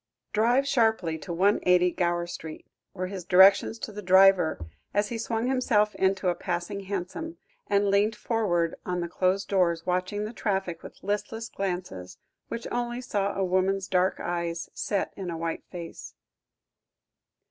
"Drive sharply to 180, Gower Street," were his directions to the driver as he swung himself into a passing hansom, and leant forward on the closed doors, watching the traffic with listless glances, which only saw a woman's dark eyes, set in a white face.